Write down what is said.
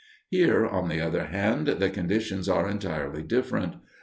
Here, on the other hand, the conditions are entirely different.